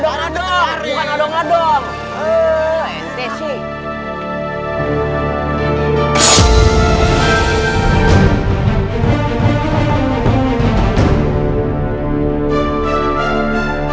kita nebeng nebeng nebeng